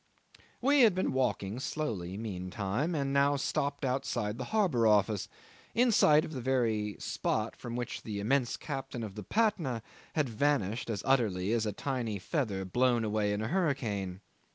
'We had been walking slowly meantime, and now stopped opposite the harbour office, in sight of the very spot from which the immense captain of the Patna had vanished as utterly as a tiny feather blown away in a hurricane.